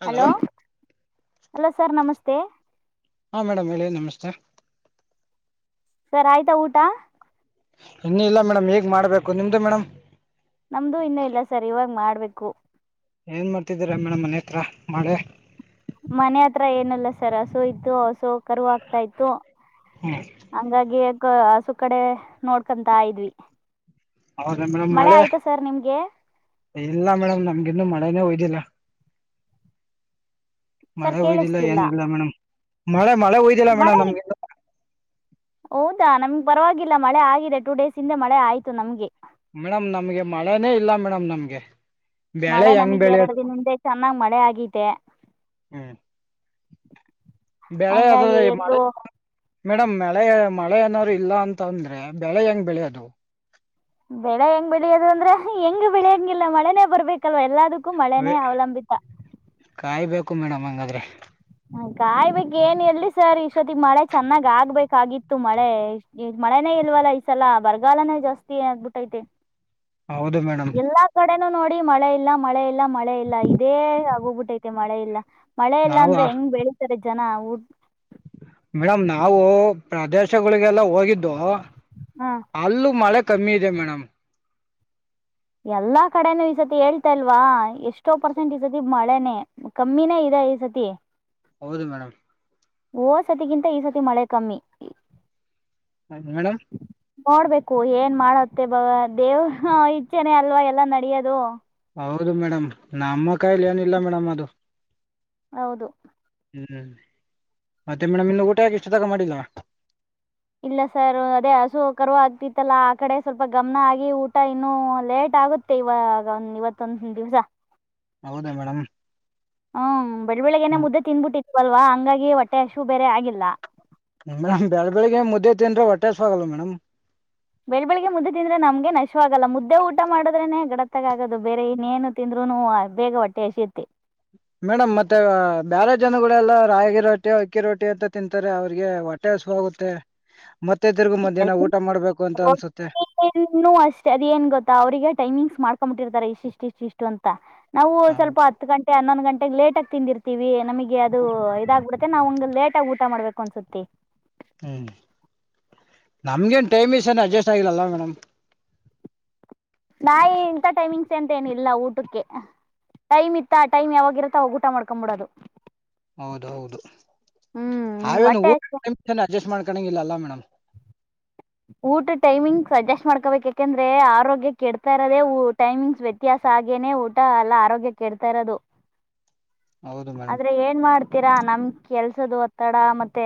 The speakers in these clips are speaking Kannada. ಹಲೋ ಹಲೋ ಸರ್ ನಮಸ್ತೆ ಹಾ ಮೇಡಮ್ ಹೇಳಿ ನಮಸ್ತೆ ಸರ್ ಆಯ್ತಾ ಊಟ? ಇನ್ನ ಇಲ್ಲ ಮೇಡಮ್ ಹೇಗ್ ಮಾಡ್ಬೇಕು‌. ನಿಮ್ದು ಮೇಡಮ್? ನಮ್ದು ಇನ್ನೂ ಇಲ್ಲ ಸರ್ ಇವಾಗ ಮಾಡ್ಬೇಕು ಏನ್ ಮಾಡ್ತಿದ್ದೀರಾ ಮೇಡಮ್ ಮನೆ ಹತ್ರ ಮಾಡಳೆ ಮನೆ ಹತ್ರ ಏನಲ್ಲ ಸರ್ ಹಸೋ ಇತತ್ತು ಹಸೋ ಕರು ಹಾಕ್ತಾ ಇತ್ತು ಹ್ಮ್ ಹಂಗಾಗಿ ಸು ಕಡೆ ನೋಡ್ಕೊಂತ ಇದ ಇದ್ವಿ ಹೌದಾ ಮೇಡಮ್ ಮಳೆ. ಆಯ್ತಾ ಸರ್ ನಿಮ್ಗೆ ಇಲ್ಲ ಮೇಡಮ್ ನಮ್ಗಿನ್ನು ಮಳೆನ ಹತ ಸರ್ ಮಳೆ ಹುದಿಲ್ಲ ಕೇಳಿಸ್ತಿಲ್ಲ ಏನಿಲ್ಲ ಮೇಡಮ್ ಮಳೆ ಮಳೆ ಹಯ್ದಿಲ್ಲ ಮೇಡಮ್ ಮಳೆ ನಮ್ಗೆಂತ ಹೌದಾ ನಮ್ಗೆ ಪರವಾಗಿಲ್ಲ ಮಳೆ ಆಗಿದೆ ಟು ಡೇಸ್ ಇಿಂದ ಮಳೆ ಆಯ್ತು ನಮ್ಗೆ. ಮೇಡಮ್ ನಮ್ಗೆ ಮಳೆನೇ ಇಲ್ಲ ಮೇಡಮ್ ನಮ್ಗೆ. ಬೆಳೆ ಮಳೆ ಹೆಂಗ್ ನಮಗ್ ಎರಡು ಬೆಳೆಯೋದು ದಿನದಿಂದೆ ಚೆನ್ನಾಗ್ ಮಳೆ ಆಗಿದೆ. ಹ್ಮ್ ಬೆಳೆ ಅ ಮೆ ಹಂಗಾಗಿ ಎಲ್ಲೂ ಮೇಡ್ ಮಳೆ ಮಳೆ ಏನಾದ್ರು ಇಲ್ಲ ಅಂತ ಅಂದ್ರೆ ಬೆಳೆ ಹೆಂಗ್ ಬೆಳೆಯದು? ಬೆಳೆ ಹೆಂಗ್ ಬೆಳಿಯದ ಅಂದ್ರೆ ಹೆಂಗ್ ಬೆಳೆಯಂಗಿಲ್ಲ ಮಳೆನೇ ಬರ್ಬೇಕಲ್ವಾ ಎಲ್ಲದು ಕೂ ಮಳೆನೇ ಅವಲಂಬಿತ ಹ ಮಡ ಮಂಗಾದ್ರರೆ. ಗಾಯ್ಬೇಕಕ್ ಏನ್ ಎಲ್ರಿ ಸರ್ ಈ ಸತಿ ಈ ಮಳೆ ಚೆನ್ನಾಗ ಆಗ್ಬೇಕಾಗಿತ್ತು. ಇತ್ತು ಮಳೆ ಮಳೆನೇ ಇಲ್ವಲ್ಲ ಈ ಸಲ ಬರಗಾಲನೇ ಜಾಸ್ತಿ ಏನಗ್ಬಿಟ್ಟೈತೆ ಹೌದು ಮೇಡಮ್ ನೋಡಿ ಮಳೆ ಇಲ್ಲ ಮಳೆ ಇಲ್ಲ ಮಳೆ ಇಲ್ಲ ಇದೇ ಆ ಹೋಗ್ಬಿಟ್ಟೈತೆ ಮಳೆ ಇಲ್ಲ ಮಳೆ ಇಲ್ಲ ನಾವು ಅಂದ್ರೆ ಹೆಂಗ್ ಬೆಳಿತಾರೆ ಜನ ಊ ಮೇಡಮ್ ನಾವು ಪ್ರದೇಶಗಳಿಗೆಲ್ಲ ಹೋಗಿದ್ದು ಹಾಂ ಅಲ್ಲೂ ಮಳೆ ಕಮ್ಮಿ ಇದೆ ಮೇಡಮ್ ಎಲ್ಲಾ ಕಡೆನೂ ಈ ಸತಿ ಹೇಳ್ತಾಲ್ವಾ ಎಷ್ಟೋ ಪರ್ಸೆಂಟ್ ಈ ಸತಿ ಮಳೆನೆ ಕಮ್ಮಿನೇ ಇದೆ ಈ ಸತಿ ಹೌದು ಮೇಡಮ್ ಓ ಸತಿಗಿಂತ ಈ ಸತಿ ಮಳೆ ಕಮ್ಮಿ ಮೇಡಮ ನೋಡ್ಬೇಕು ಏನ್ ಮಾಡತ್ತೆ ಬವ ದೇವ್ ಇಚ್ಛೆನೆ ಅಲ್ವಾ ಎಲ್ಲಾ ನಡಿಯೋದು ಹೌದು ಮೇಡಮ್ ನಮ್ಮ ಕಾಯಿಲಿ ಏನಿಲ್ಲ ಮೇಡಮ್ ಅದು ಹೌದು ಹ್ಮ್ ಮತ್ತೆ ಮೇಡಮ್ ಇನ್ನು ಊಟ ಯಾಕೆ ಎಷ್ಟು ತಾಗ ಮಾಡಿಲ್ಲ ಇಲ್ಲ ಸರ್ ಅದೇ ಹಸು ಕರುವ ಆಗ್ತಿತ್ತಲ್ಲಾ ಆ ಕಡೆ ಸ್ವಲ್ಪ ಗಮನ ಆಗಿ ಊಟ ಇನ್ನು ಲೇಟ್ ಆಗುತ್ತೆ ಇವಾಗ ಒಂದ್ ಇವತ್ತೊಂದ ದಿವಸ ಹೌದಾ ಮೇಡಮ್ [unintelligible] ಹ್ಮ್ ಬೆಳ ಬೆಳಗ್ನೆ ಮುದ್ದೆ ತಿಂದುನ್ಬಿಟ್ಟಿತ್ತುವಲ್ವಾ ಹಂಗಾಗಿ ಹೊಟ್ಟೆ ಆಶು ಬೇರೆ ಆಗಿಲ್ಲ ಮೇಡಮ್ ಬೆಳ ಬೆಳಗ್ಗೆ ಮುದ್ದೆ ತಿಂದ್ರೆ ಹೊಟ್ಟೆ ಹಸಿವು ಆಗಲ್ಲ ಮೇಡಮ್ ಬೆಳ ಬೆಳಗ್ಗೆ ಮುದ್ದೆ ತಿಂದ್ರೆ ನಮ್ಗೆ ಆಶುವಾಗಲ್ಲ ಮುದ್ದೆ ಊಟ ಮಾಡೋದ್ರೆನೆ ಗಡತ್ತಗ ಆದು ಬೇರೆ ಇನ್ನೇನು ತಿಂದ ಬೇಗ ಹೊಟ್ಟೆ ಹಸುವಿತ್ತೆ ಮೇಡಮ್ ಮತ್ತೆ ಬ್ಯಾರೆ ಜನಗಳೆಲ್ಲ ರಾಗಿ ರೊಟ್ಟಿ ಅಕ್ಕಿ ರೊಟ್ಟಿ ಅಂತ ತಿಂತಾರೆ ಅವ್ರಿಗೆ ಹೊಟ್ಟೆ ಹಸಿವು ವಾಗುತ್ತೆ [unintelligible] ಇದರ್ಗೂ ಮಧ್ಯಾಹ್ನ ಊಟ ಮಾಡಬೇಕ ಅಂತ ಅನ್ಸುತ್ತೆ ನು ಅಷ್ಟೇ ಅದ ಏನ್ ಗೊತ್ತಾ ಅವ್ರರಿಗೆ ಟೈಮಿಂಗ್ಸ್ ಮಾಡ್ಕೊಂಬಿಟ್ಟಿರ್ತಾರೆ ಇಷ್ಟ ಇಷ್ಟು ಇಷ್ಟು ಇಷ್ಟು ಅಂತ ನಾವು ಹಾ, ಸ್ವಲ್ಪ ಹತ್ತು ಗಂಟೆ ಹನ್ನೊಂದು ಗಂಟೆಗೆ ಲೇಟ್ ಆಗಿ ತಿಂದಿರ್ತೀವಿ ನಮಗೆ ಅದು ಇದಾಗ್ಬಿಡುತ್ತೆ ನಾವ್ ಲೇಟ್ ಆಗ ಊಟ ಮಾಡ್ಬೇಕು ಅನ್ಸುತ್ತಿ ಹ್ಮ್ [inaudible] ನಮ್ಗೇನ್ ಟೈಮ್ ಇಸನ್ ಅಡ್ಜಸ್ಟ್ ಆಗಿಲ್ಲ ಮೇಡಮ್ ನಾ ಇಂತ ಟೈಮಿಂಗ್ಸ್ ಎಂತೇಏನಿಲ್ಲ ಊಟಕ್ಕೆ ಟೈಮ್ ಇತ್ತ ಆ ಟೈಮ್ ಯಾವಾಗ ಇರುತ್ತ ಅವಾಗ ಊಟ ಮಾಡ್ಕೊಬಿಡೋದು ಹೌದ ಹ್ಮ್ ಹೌದುನು ಹೊಟ್ಟೆ ಊಟ ಅಷ್ಟೆ ಟೈಮ್ ಅಡ್ಜಸ್ಟ್ ಮಾಡ್ ಕಣಂಗಿಲ್ಲಲ್ಲ ಮೇಡಮ್ ಊಟ ಟೈಮಿಂಗ್ಸ್ ಅಜೆಸ್ಟ್ ಮಾಡ್ಕೋಬೇಕು ಯಾಕೆಂದ್ರೆ ಆರೋಗ್ಯ ಕೆ ಇಡ್ತಾ ಇರದೇ ಟೈಮಿಂಗ್ಸ್ ವ್ಯತ್ಯಾಸ ಆಗೇನೆ ಊಟ ಎಲ್ಲ ಆರೋಗ್ಯಕ್ಕೆ ಇಡ್ತಾ ಇರೋದು ಹೌದು ಮೇಡಮ್ ಆದ್ರೆ ಏನ್ ಮಾಡ್ತ ಇತೀರಾ ನಮ್ ಕೆಲ್ಸದು ಒತ್ತಡ ಮತ್ತೆ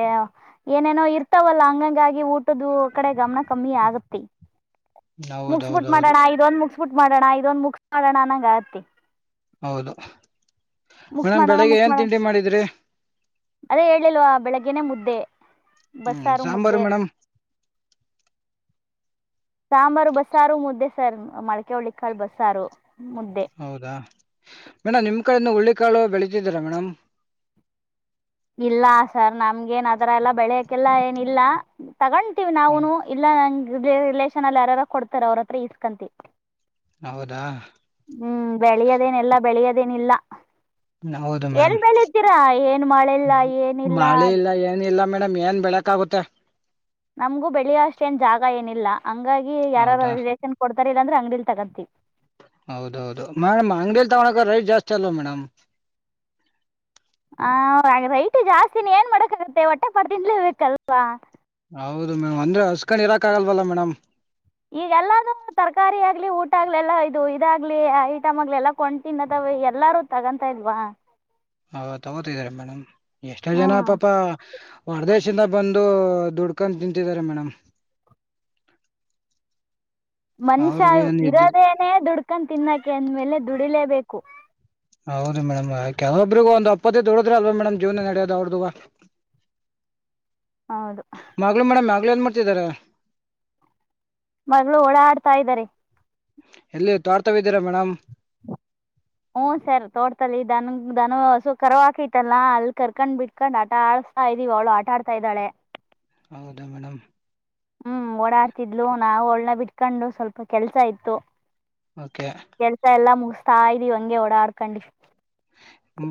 ಏನೇನೋ ಇರ್ತಾವಲ್ಲ ಹಂಗಂಗಾಗಿ ಊಟದ್ದ ಕಡೆ ಗಮನ ಕಮ್ಮಿ ಆಗತ್ತತಿ ಹೌದು ಹೌದು ಮುಗಸಬಿಟ್ಟ ಹೌದು ಮಾಡೋಣ ಇದು ಮಾಡೋಣ ಇದೊಂದ ಮುಗಸ ಮಾಡೋಣ ನಂಗ ಆತಿ ಹೌದು ಮುಕ್ಸ್ ಮೇಡಮ್ ಮಾಡೋಣ ಬೆಳಿಗ್ಗೆ ಮುಕ್ಸ್ ಏನ್ ಮಾಡಣ ತಿಂಡಿ ಮಾಡಿದ್ರಿ ಅದೇ ಹೇಳಿಲ್ ಆ ಬೆಳಗ್ಗೆನೆ ಮುದ್ದೆ ಹ್ಮ್ ಬಸ್ಸಾರು ಸಾಂಬಾರು ಮುದ್ದೆ ಮೇಡಮ್ ಸಾಂಬಾರು ಬಸ್ಸಾರು ಮುದ್ದೆ ಸರ್ ಮಳೆಕೆ ಹಳ್ಳಿ ಕಾಳ ಬಸ್ಸಾರು ಮುದ್ದೆ ಹೌದಾ ಮೇಡಮ್ ನಿಮ್ ಕಡೆನು ಹುಳ್ಳಿ ಕಾಳು ಬೆಳತಿದ್ದೀರಾ ಮೇಡಮ ಇಲ್ಲ ಸರ್ ನಮ್ಗೇನ್ ಅದರ ಎಲ್ಲಾ ಬೆಳೆಯಕೆಲ್ಲ ಏನಿಲ್ಲ ತಗೊತೀವಿ ಹ್ಮ್ ನಾವ್ನು ಇಲ್ಲಾ ನಂಗ ರಿಲೇಷನ್ ಅಲ್ಲಿ ಯಾರಾರ ಕೊಡ್ತಾರ ಅವ್ರ ಹತ್ರ ಇಸ್ಕಂತ ಹೌದಾ ಹ್ಮ್ ಬೆಳೆಯದೇನೆಲ್ಲ ಬೆಳೆಯದೇನಿಲ್ಲ ಎಲ್ ಬೇಳೆದೀರಾ ಏನು ಮಳೆಇಲ್ಲ ಏನ್ ಇಲ್ಲ ಮೇಡಮ್ ಏನ್ ಬೆಳಕ್ ಆಗುತ್ತೆ ನಮ್ಗೂ ಬೆಳೆಯುವ ಅಷ್ಟೇನ್ ಜಾಗ ಏನಿಲ್ಲ ಹಂಗಾಗಿ ಯಾರು ಹೌದಾ ರಿ [unintelligible] ವೇಶನ್ ಕೊಡ್ತಾರೆ ಅ್ರ [inaudible] ಅಂಗಡಿಲಿ ತಗತಿ ಹೌದೌದು ಮೇಡಮ್ ಅಂಗಡಿಲಿ ತಗೋಳಕ ರೈಟ್ ಜಾಸ್ತಿ ಅಲ್ವಾ ಮೇಡಮ್ ಹ ರೈಟ್ ಜಾಸ್ತಿನ ಏನ್ ಮಾಡಕ್ ಆಗತ್ತೆ ಹೊಟ್ಟೆ ಪಾಡು ತಿನ್ನಲೆ ಬೇಕಲ್ವಾ ಹೌದು ಮೇಡಮ್ ಅಂದ್ರೆ ಹಸ್ಕೂಡ್ ಇರಾಕ್ ಆಗಲ್ವಲ್ಲ ಮೇಡಮ್ ಈಗೆಲ್ಲ ತರಕಾರಿ ಆಗ್ಲಿ ಊಟ ಆಗ್ಲೆಲ್ಲಾ ಇದು ಇದಾಗ್ಲಿ ಐಟಮ್ ಆಗ್ಲೆ ಎಲ್ಲ ಕೊಂಡ್ ತಿನ್ನದ ಎಲ್ಲಾರು ತಗೊಂತಾ ಇಲ್ವಾ ಹ ತಗೋತಿದಿದ್ದಾರೆ ಮೇಡಮ್ ಎಷ್ಟೋ ಹ್ಞೂ ಜನ ಪಾಪ ಹೊರದೇಶಿಂದ ಬಂದು ದುಡ್ಕೊಂಡ ತಿಂತಿದ್ದಾರೆ ಮೇಡಮ್ ಮನ್ಷ್ ಅವ್ರಿಗೇನು ಇದ್ದಿಲ್ಲ ಇರದೇನೇ ದುಡ್ಕೊಂಡ ತಿನ್ನಕ ಅಂದ್ಮೇಲೆ ದುಡಿಲೇಬೇಕು ಹೌದು ಮೇಡಂನ ಕೆಲವರಿಗೆ ಒಂದ ಅಪ್ಪತ್ತದ ದೊಡ್ರ ಅಲ್ವಾ ಮೇಡಮ್ ಜೀವನ ನಡೋದ ಅವ್ರದ್ದ ಹೌದು ಮಾಗಲು ಮೇಡ್ ಮಾಗ್ಲು ಏನ್ ಮಾಡ್ತಿದ್ದಾರೆ ಮಗಳು ಓಡ ಆಡ್ತಾ ಇದ್ದಾರೆ ಎಲ್ಲಿ ತೋಟತಾವ್ ಇದ್ದೀರಾ ಮೇಡಮ್. ಹ ಸರ್ ತೋಡ್ತಲ್ಲಿ ದನ ಹಸು ಕರು ಹಾಕಿತ್ತಲ್ಲ ಅಲ್ಲಿ ಕರ್ಕೊಂಡ್ ಬಿಟ್ಕೊಂಡ್ ಆಟ ಇದ್ದೀವಿ ಅವಳು ಆಟ ಆಡ್ತಾ ಇದ್ದಾಳೆ. ಹೌದಾ ಮೇಡಮ್ ಹ್ಮ್ ಓಡಾಡ್ತಿದ್ಲು ನಾವು ಒಳ್ಳನ ಬಿಟ್ಕೊಂಡು ಸ್ವಲ್ಪ ಕೆಲ್ಸ ಇತ್ತು ಓಕೆ ಕೆಲ್ಸ ಎಲ್ಲಾ ಮುಗಿಸಗಿ ಇದ್ದವಿ ಹಂಗೆ ಓಡಾಡ್ಕೊಂಡು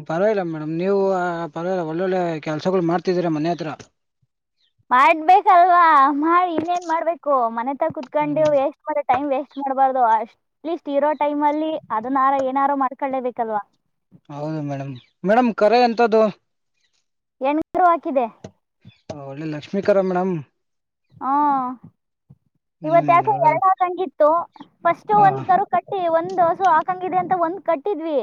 ಪರವಾಗಿಲ್ಲ ಮೇಡಮ್ ನೀವು ಪರವಾಗಿಲ್ಲ ಒಳ್ಳೊಳ್ಳೆ ಕೆಲ್ಸಗಳು ಮಾಡ್ತಿದೀರ ಮನೆ ಹತ್ರ ಮಾಡ್ಬೇಕಲ್ವಾ ಮಾಡಿ ಇನ್ನೇನ್ ಮಾಡ್ಬೇಕು ಮನೆತ ಕುೂತ್ಕೊಂಡು ಹ್ಮ್ ವೇಸ್ಟ್ ಮಾಡ ಟೈಮ್ ವೇಸ್ಟ್ ಮಾಡ್ಬಾರ್ದು ಅ ಲೀಸ್ಟ್ ಇರೋ ಟೈಮ್ ಅಲ್ಲಿ ಅದನ್ನಾರ ಏನಾರೋ ಮಾಡ್ಕೊಳ್ಳೇಬೇಕಲ್ವಾ ಹೌದು ಮೇಡಮ್ ಮೇಡಮ್ ಕರೆ ಎಂತ್ದು ಹೆಣ ಗರು [inaudible] [unintelligible] ಹಾಕಿದೆ ಹ ಒಳ್ಳೆ ಲಕ್ಷ್ಮೀಕರ ಮೇಡಮ್ ಹಾ. ಇವತ್ ಹ್ಮ್ ಯಾಕೊ ಒಳ್ಳೆ ಎರಡು ಹಾಕಂಗಿತ್ತು ಫಸ್ಟ್ ಹಾ ಒಂದ್ ಕರು ಕಟ್ಟಿ ಒಂದ್ ಒಂದು ಹಸು ಆಕಂಗಿಂದೇ ಅಂತ ಒಂದ್ ಕಟ್ಟಿದ್ವಿ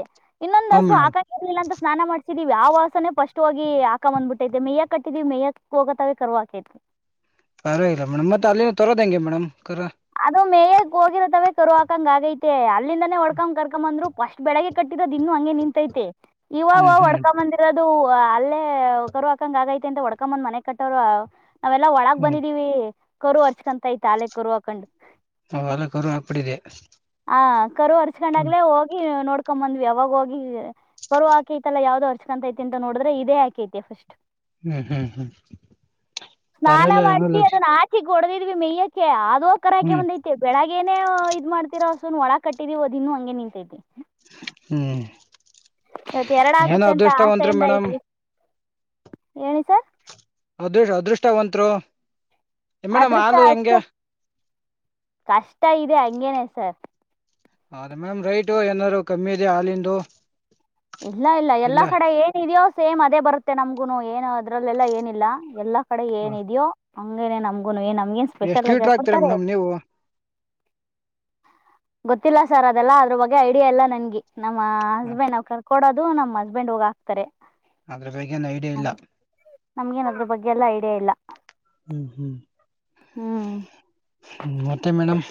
ಇನ್ನೊಂದ ಹಾ ಹಸು ಮೇಡಮ್ ಆಕಂಗಿರ್ಲಿಲ್ಲ ಅಂತ ಸ್ನಾನ ದಿವವಿ [unintelligible] ಹಸನೇ ಫಸ್ಟ್ ಹೋಗಿ ಹಾಕ ಬಂದ್ಬಿಟ್ಟೈತೆ ಮೇಯ್ಯಕಟ್ಟಿದಿವಿ ಮೇಯ್ಯಕ್ ಹೋಗತಾವೆ ಕರು ಹಾಕೇತಿ. ಪರವಾಗಿಲ್ಲ ಮೇಡಮ್ ಮತ್ತೆ ಅಲ್ಲಿಂದ ತರೋದೆಂಗೆ ಮೇಡಮ್ ಕರ. ಅದು ಮೇಯ್ಯಕ್ ಹೋಗಿರೋತವೇ ಕರು ಆಕಾಂಗಗೈತೆ ಅಲ್ಲಿಂದನೇ ಒಡ್ಕೊಂಡ್ ಕರ್ಕಂಬಂದ್ರು ಅಷ್ಟ್ ಬೆಳಗ್ಗೆ [unintelligible] ಇನ್ನು ಹಂಗೆ ನಿಂತೈತೆ ಇವಾಗ ಹ್ಮ್ ಹ್ಮ್ ವಡ್ಕಾ ಬಂದಿರೋದು ಹಾ ಅಲ್ಲೇ ಕರು ಹಾಕಂಗಗೈತೆ ಅಂತ ಹೊಡ್ಕೊಂಬಂದ್ ಮನೆ ಕಟ್ಟೋರೆ ನಾವೆಲ್ಲಾ ಒಳಗ್ ಹ್ಮ್ ಬಂದಿದೀವಿ ಕರು ಹಾರುಚ್ಕೊಂತೈತೆ ಅಲೆ ಕರು ಹಾಕಂಡ್. ಹಾ ಅಲೆ ಕರು ಆಗ್ಕ್ಬಿಟ್ಟಿದೆ. ಹ ಕರು ಹರ್ಚ್ಕೊಂಡಾಗ್ಲೇ ಹೋಗಿ ನೋಡ್ ಹಾಕೊಂಬಂದ್ವಿ ಯಾವಾಗ ಹೋಗಿ ಕರು ಆಕೆೈತಲ್ಲ ಯಾವ್ದೋ ಅರ್ಚ್ಕೊಂತೈತೆ ಅಂತ ನೋಡಿದ್ರೆ ಇದೇ ಆಕೆೈತೆ ಫಸ್ಟ್. ಹ್ಮ್ ಹ್ಮ್ ಹ್ಮ್ ಸ್ನಾನ ಪರವಾಗಿಲ್ಲ ಹೆಂಗೋ ಮಾಡ್ಸಿ ಲಕ್ಷ ಅದುನ್ನಕಿ ಹೊಡ್ದಿದ್ವಿ ಮೇಯ್ಯಕ್ಕೆ ಆದೋಗಿ ಕರ ಹ್ಮ್ ಹಾಕಬಂದೈತೆ ಬೆಳಗೇನೇ ಇದ್ ಮಾಡ್ ಸ [unintelligible] ಒಳಗ್ ಕಟ್ಟಿದಿವ್ ಅದ್ ಇನ್ನು ಹಂಗೆ ನಿಂತೈತಿ. ಹ್ಮ್. ಇವತ್ ಎರಡ ಏನೋ ಆಗುತ್ತೆ ಅಂತ ಅದೃಷ್ಟವಂತ್ರು ಆಸೆಯಿಂದ ಮೇಡಮ್ ಇದ್ವಿ ಹೇಳಿ ಸರ್. ಅದೃ [unintelligible] ಅದೃಷ್ಟವಂತ್ರು ಮೇಡಮ್ ಅದೃಷ್ಟ ಹಾಲು ಹೆಂಗೆ ಅಷ್ಟೇ ಕಷ್ಟ ಇದೆ ಹಂಗೇನೆ ಸರ್. ಹೌದ ಮ್ಯಾಮ್ ರೇಟ್ ಏನಾದ್ರು ಕಮ್ಮಿ ಇದಿಯಾ ಹಾಲಿಂದು. ಇಲ್ಲ ಇಲ್ಲ ಎಲ್ಲಾ ಕಡೆ ಏನೀನ್ದ್ಯೋ ಸೇಮ್ ಅದೇ ಬರುತ್ತೆ ನಮ್ಗುನು ಏನು ಅದ್ರಲ್ಲೆಲ್ಲಾ ಏನಿಲ್ಲ ಎಲ್ಲಾ ಕಡೆ ಹಾಂ ಏನಿದ್ಯೋ ಹಂಗೇನೆ ನಮ್ಗುನು ಏನ್ ನಂಗೇನ್ ಎಷ್ಟು ಸ್ಪೆಷಲ್ ಆಗಿ [unintelligible] ಲೀಟ್ರ್ ಹಾಗ ಹಾಕ್ತೀರಾ ಕೊಡ್ತಾರೆ. ಮೇಡಮ್ ನೀವು ಗೊತ್ತಿಲ್ಲ ಸರ್ ಅದೆಲ್ಲ ಅದ್ರ ಬಗ್ಗೆ ಐಡಿಯಾ ಇಲ್ಲಾ ನನ್ಗೆ. ನಮ್ಮ ಹಾಂ ಹಸ್ಬೆಂಡ್ ಅವ್ ಕರ್ಕೋಡದು ನಮ್ಮ್ ಹಸ್ಬೆಂಡ್ ಹೋಗ್ ಹಾಕ್ತಾರೆ. ಆದ್ರು ಬೇಗ ಏನ್ ಐಡಿಯಾ ಇಲ್ಲ. ನಂಗೇನ್ ಅದ್ರ ಬಗ್ಗೆ ಎಲ್ಲ ಐಡಿಯಾ ಇಲ್ಲ. ಹ್ಮ್ ಹ್ಮ್ ಹ್ಞೂ ಮತ್ತೆ ಮೇಡಮ್.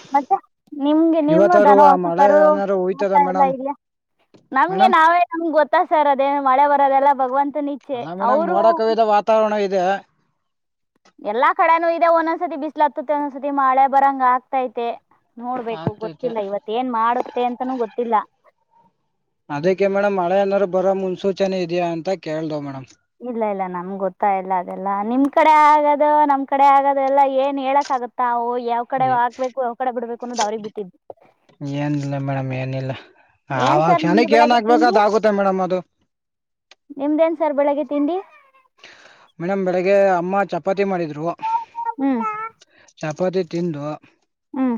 ನಿಮ್ಗೆ ನಿಮ್ಮ ಇವತ್ತಾದ್ರು ದನ ಆ ಹೊಸು ಮಳೆ ಕರು ಏನಾದ್ರು ತೋಟ ಹುಯ್ತದ ಎಲ್ಲ ಮೇಡಮ್ ಇದ್ದೀಯ ನಮ್ಗೆ ಮೇಡಮ್ ನಾವೇ ನಮ್ ಗೊತ್ತಾ ಸರ್ ಅದೇನು ಮಳೆ ಬರದೆಲ್ಲ ಭಗವಂತ್ ಅಲ್ಲಾ ಮೇಡಮ್ ಮೋಡ ಕವಿದ ವಾತಾವರಣ ಇದೆ. ಎಲ್ಲಾ ಕಡೆನುೂ ಇದೆ ಒಂದೊಂದ್ಸತಿ ಬಿಸ್ಲ ಹತುತ್ತೆ ಒಂದೊಂದ್ಸತಿ ಮಳೆ ಬರಂಗಗತೈತೆ. ನೋಡ್ಬೇಕು ಆಗ್ತೈತೆ ಗೊತ್ತಿಲ್ಲ ಇವತ್ ಏನ್ ಮಾಡುತ್ತೆ ಅಂತನೂ ಗೊತ್ತಿಲ್ಲ. ಅದಕ್ಕೆ ಮೇಡಮ್ ಮಳೆ ಏನಾರು ಬರೋ ಮುನ್ಸೂಚನೆ ಇದೆಯಾ ಅಂತ ಕೇಳ್ದ ಮೇಡಮ್. ಇಲ್ಲ ಇಲ್ಲ ನಮ್ಗೆ ಗೊತ್ತಾಗಲ್ಲ ಅದೆಲ್ಲ ನಿಮ್ ಕಡೆ ಆಗದು ನಮ್ ಕಡೆ ಆಗದು ಎಲ್ಲಾ ಏನ್ ಹೇಳಕ್ ಆಗುತ್ತಾ ಯಾವ್ ಕಡೆ ಆಗ್ಬೇಕು ಯಾವ್ ಕಡೆ ಬಿಡ್ಬೇಕು ಅನ್ನೋದು ಅವ್ರಿಗ್ ಬಿಟ್ಟಿದು. ಏನಿಲ್ಲ ಮೇಡಮ್ ಏನಿಲ್ಲ ಏನ್ ಆವಾಗ ಸರ್ ನಿಮ್ದು ಕ್ಷಣಕ್ಕೆ ಏನ್ ಬೆಳಿಗ್ಗೆ ಹಾಕ್ಬೇಕು ತಿಂಡಿ ಅದ್ ಆಗುತ್ತೆ ಮೇಡಮ್ ಅದು ನಿಮ್ದೇನ್ ಸರ್ ಬೆಳಗ್ಗೆ ತಿಂಡಿ. ಮೇಡಂ ಬೆಳಿಗ್ಗೆ ಅಮ್ಮ ಚಪಾತಿ ಮಾಡಿದ್ರು. ಹ್ಮ್. ಚಪ್ಪತಿ ತಿಂದು ಹ್ಮ.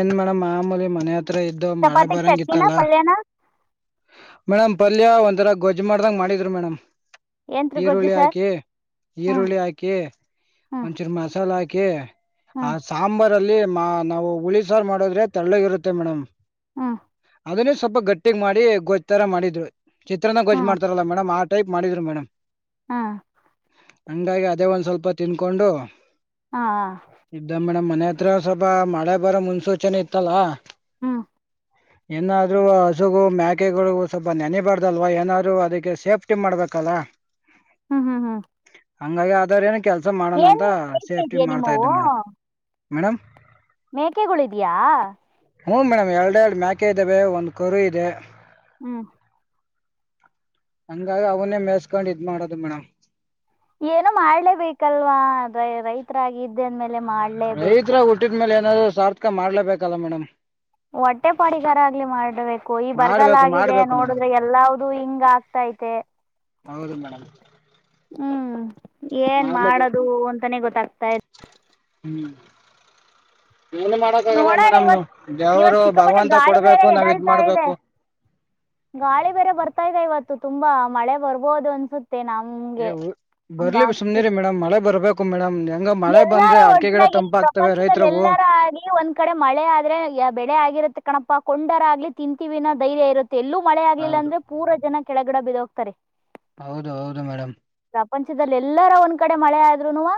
ಏನ್ ಮೇಡಂ ಮಾಮೂಲಿ ಮನೆ ಹತ್ರ ಇದ್ದು ಮಳೆ ಚಪಾತಿ ಚಟ್ನಿನ ಬರಂಗಿತ್ತಲ್ಲ. ಪಲ್ಯನ ಮೇಡಮ್ ಪಲ್ಯ ಒಂಥರ ಗೊಜ್ಜ್ ಮಾಡ್ದಂಗ್ ಮಾಡಿದ್ರು ಮೇಡಂ. ಎಂತ್ರು ಗೊಜ್ಜು ಸರ್. ಹೇ ಹ್ಮ್ ಈರುಳ್ಳಿ ಹಾಕಿ ಹ್ಮ್ ಒಂದಚೂರ್ ಮಸಾಲ ಹಾಕಿ. ಆ ಹ್ಮ್ ಸಾಂಬಾರಲ್ಲಿ ಮಾ ನಾವು ಉಳಿ ಸಾರ್ ಮಡುದ್ರೆ ತೆಳ್ಳುಗಿರುತ್ತೆ ಮೇಡಂ. ಹಾ ಅದನ್ನೇ ಸ್ವಲ್ಪ ಗಟ್ಟಿಗೆ ಮಾಡಿ ಗೊಜ್ತರ ಮಾಡಿದ್ರು ಚಿತ್ರನ ಹಾ ಗೊಜ್ ಮಾಡ್ತಾರಲ್ಲ ಮೇಡಮ್ ಆ ಟೈಪ್ ಮಾಡಿದ್ರು ಮೇಡಮ್ ಹ್ಮ ಹಂಗಾಗಿ ಅದೇ ಒಂದ್ ಸ್ವಲ್ಪ ತಿನ್ಕೊಂಡು ಹಾ ಇದ್ದ ಮೇಡಮ್ ಮನ ಮತ್ರಸಭ ಮಳೆ ಬರೋ ಮುನ್ಸೂಚನೆ ಇತ್ತಲ್ಲ ಹ್ಮ್ ಏನಾದ್ರು ಹಸುಗು ಮ್ಯಾಕೆಗಳಗು ಸ್ವಲ್ಪ ನೆನೆಬಾರ್ದಲ್ವಾ ಏನಾದ್ರು ಅದಕ್ಕೆ ಸೇಫ್ಟಿ ಮಾಡ್ಬೇಕ ಕಲ ಹ್ಮ ಹ್ಮ ಹ್ಮ ಹಂಗಾಗಿ ಆದಾರ ಏನು ಕೆಲ್ಸ ಮಾಡೋಣ ಅಂತ ಮೇಕೆ ಸೇಫ್ಟಿ ಇದೆಯಾ ಮಾಡ್ತಾ ಇದ್ದೆ ಮೇಡಮ್ ಮೇಡಮ್ ಮೇಕೆಗಳು ಇದ್ಯಾಾ ಹ್ಮಞ ಮೇಡಮ್ ಎರಡು ಎರಡು ಮ್ಯಾಕೆ ಇದ್ದಾವ ಒಂದು್ ಕರು ಇದೆ ಹ್ಮ್ ಹಂಗಾಗಿ ಅವನ್ನೇ ಮೇಸ್ಕೊಂಡ್ ಇದ್ ಮಾಡೋದು ಮೇಡಮ್ ಏನು ಮಾಡ್ಲೇಬೇಕಲ್ವಾ ರೈತರಗ ಇದ್ದೆ ಅಂದ್ಮೇಲೆ ರೈತ್ರ ಹುಟ್ಟಿದ್ಮೇಲೆ ಏನಾದ್ರು ಸಾರ್ಥಕ ಮಾಡ್ಲೇಬೇಕಲ್ಲ ಮೇಡಮ್ ಹೊಟ್ಟೆ ಪಾಡಿಗಾರ ಆಗ್ಲಿ ಮಾಡಬೇಕು ಈ ಬರಗಲ್ ಮಾಡ್ಬೇಕು ಆಗಿದೆ ಮಾಡ್ಬೇಕು ಮೇಡಮ್ ನೋಡಿದ್ರೆ ಎಲ್ಲ್ದೂ ಹಿಂಗ್ ಆಗ್ತಾ ಆಐತೆ ಹೌದ ಮಡ್ಮ ಹ್ಮ್ ಏನ್ ಮಾಡ್ಲೇಬೇಕು ಮಾಡದು ಅಂತಾನೇ ಗೊತ್ತಾಗ್ತಾ ಇ ಹ್ಮ್ ಏನು ಮಾಡಕ ಆಗಲ್ಲ ನೋಡೋಣ ಮೇಡಮ್ ಇವತ್ ಇವತ್ ದೇವರು ಸಿಕ್ಕಾಪಟ್ಟೆ ಭಗವಂತ ಗಾಳಿ ಬೇರೆ ಕೊಡ್ಬೇಕು ನಾವ್ ಇದ್ ಎದಾಳ್ತಾ ಇದೆ ಮಾಡ್ಬೇಕು ಗಾಳಿ ಬೇರೆ ಬರ್ತಾ ಇದೆ ಇವತ್ತು ತುಂಬಾ ಮಳೆ ಬರ್ಬೋದು ಅನ್ಸುತ್ತ ಏ ಬರ್ಲಿ ಸುಮನೆ ರರಿ ಮೇಡಮ್ ಮಳೆ ಬರ್ಬೇಕು ಮೇಡಮ್ ಹೆಂಗ ಮಳೆ ಬಂದ್ರೆ ಎಲ್ಲಾರು ಅಡಿಕೆ ಗಿಡ ಒಟ್ಟನಾಗಿ ತಂಪಾಗ್ತವೆ ಪ್ರಪಂಚದಲ್ಲಿ ರೈತರವು ಎಲ್ಲಾರು ಆಗಿ ಒಂದ್ ಕಡೆ ಮಳೆ ಆದ್ರೆ ಬೆಳೆ ಆಗಿ ಇ ಕಣಪಾ ಕೊಂಡರ ಆಗ್ಲಿ ತಿಂತೀವಿನೋ ಧೈರ್ಯ ಇರುತ್ತೆ ಎಲ್ಲೂ ಮಳೆ ಆಗ್ಲಿಲ್ಲ ಹೌದು ಅಂದ್ರೆ ಪೂರ ಜನ ಕೆಳಗಿಡ ಬಿದ ಹೋಗ್ತಾರೆ ಹೌದು ಹೌದು ಮೇಡಮ್ ಪ್ರಪಂಚದಲ್ಲಿ ಎಲ್ಲಾರ ಒಂದ್ ಕಡೆ ಮಳೆ ಆದ್ರುನುವ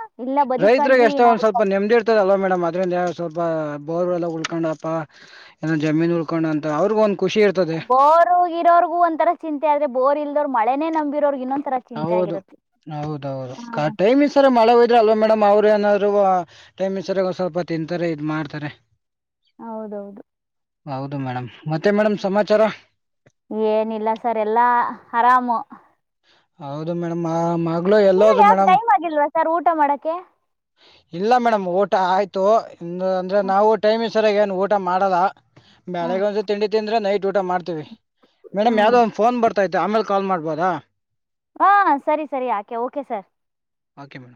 ರೈತರಿರಿಗೆ ಎಷ್ಟೊ ಒಂದ ಸ್ವಲ್ಪ ನೆಮ್ದಿ ಇರ್ತದಲ್ವಾ ಮೇಡಮ್ ಅದ್ರಂದ ಸ್ವಲ್ಪ ಬೋರ್ಗಳಲ್ಲ ಉಳ್ಕೊಂಡಪ್ಪಾ ಏನ ಜಮೀನ್ ಉಳ್ಕೊಂಡಂತ ಅವ್ರಗ ಒ ಬೋರ್ ಇರೋರ್ಗೂ ಒಂಥರ ಚಿಂತೆ ಆದ್ರೆ ಬೋರ್ ಇಲ್ದೋ್ರರು ಮಳೆನೆೇ ನಂಬಿರೋರ್ಗ್ ಇನ್ನೊಂದು ಹೌದು ಹೌದೌದು ಹ್ಮ್ ಟೈಮ್ ಸರ ಮಳೆ ಇದ್ರ ಅಲ್ವಾ ಮೇಡಮ್ ಅವ್ರು ಏನಾದ್ರು ಟೈಮ್ ಸರಿ ಸ್ವಲ್ಪ ತಿಂತಾರೆ ಇದ್ ಮಾಡ್ತಾರೆ ಹೌದೌದು ಹೌದು ಮೇಡಮ್ ಮತ್ತೆ ಮೇಡಮ್ ಸಮಾಚಾರ ಏನಿಲ್ಲ ಸರ್ ಎಲ್ಲಾ ಆರಾಮು ಹೌದು ಮೇಡಮ್ ಇನ್ನು ಎಲ್ಲರು ಯಾಕೆ ಮೇಡ್ ಟೈಮ್ ಆಗಿಲ್ವಾ ಸರ್ ಊಟ ಮಾಡಕ್ಕೆ ಇಲ್ಲ ಮೇಡಮ್ ಓಟ ಆಯ್ತು ಇ ಅಂದ್ರೆ ನಾವು ಟೈಮ್ ಸರ್ಾಗ ಏನು ಊಟ ಮಾಡಲ್ಲ ಹ್ಮ್ ಬೆಳಗೆ ಒಂದು ತಿಂಡಿ ತಿಂದ್ರೆ ನೈಟ್ ಊಟ ಮಾಡ್ತೀವಿ ಮೇಡಮ್ ಹ್ಮ್ ಯಾವ್ದೋ ಒಂದು ಫೋನ್ ಬರತೈತೆ ಆಮೇಲೆ ಕಾಲ್ ಮಾಡ್ಬೋದ ಹಾ ಸರಿ ಸರಿ ಆಕೆ ಓಕೆ ಸರ್ ಓಕೆ ಮೇಡಮ್